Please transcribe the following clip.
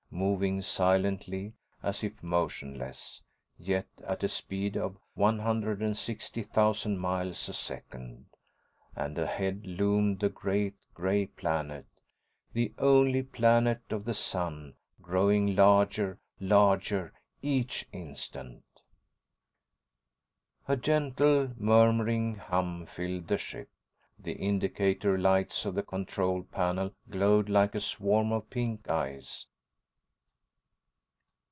Moving silently, as if motionless, yet at a speed of 160,000 miles a second. And ahead loomed the great, gray planet, the only planet of the sun, growing larger, larger, each instant.... ———— A gentle, murmuring hum filled the ship. The indicator lights on the control panel glowed like a swarm of pink eyes.